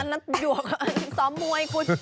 อันนั้นหยวกสอบมวยคุณ